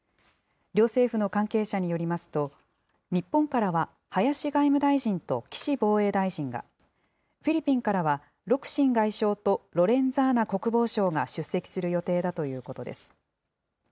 両政府の関係者によりますと、日本からは林外務大臣と岸防衛大臣が、フィリピンからはロクシン外相とロレンザーナ国防相が出席する予定だということです。